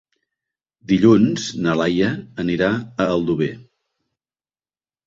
Dilluns na Laia anirà a Aldover.